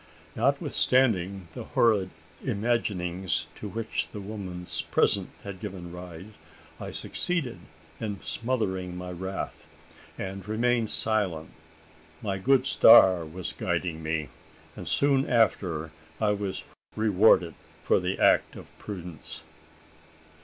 Notwithstanding the horrid imaginings to which the woman's presence had given rise, I succeeded in smothering my wrath, and remaining silent. My good star was guiding me; and soon after I was rewarded for the act of prudence.